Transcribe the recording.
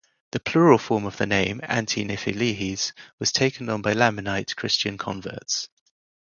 The plural form of the name, Anti-Nephi-Lehies, was taken on by Lamanite Christian converts.